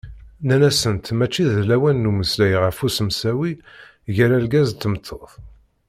Nnan-asent mačči d lawan n umeslay ɣef usemsawi gar urgaz d tmeṭṭut.